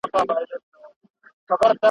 نه ملخ نه یې تر خوله خوږه دانه سوه `